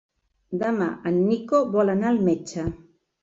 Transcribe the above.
Demà en Nico vol anar al metge.